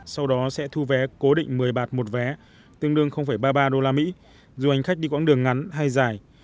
sau đó sẽ thu vé cố định một mươi bạt một vé tương đương ba mươi ba usd dù hành khách đi quãng đường ngắn hay dài